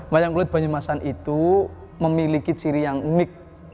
wayang kulit banyumasan itu memiliki ciri yang unik